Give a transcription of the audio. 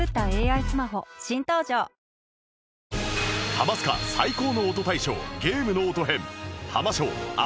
ハマスカ最高の音大賞「ゲームの音」編